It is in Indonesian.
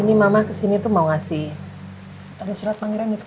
ini mama ke sini tuh mau ngasih surat panggilan itu